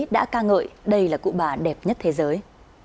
đây là cụ bà đẹp nhất thế giới